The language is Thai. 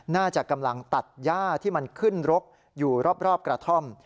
น่าจะกำลังตัดย่าที่มันขึ้นรกอยู่รอบกระท่อม